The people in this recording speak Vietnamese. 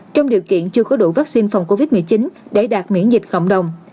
trong điều kiện chưa có đủ vaccine phòng covid một mươi chín để đạt miễn dịch cộng đồng